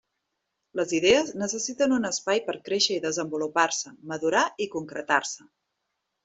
Les idees necessiten un espai per a créixer i desenvolupar-se, madurar i concretar-se.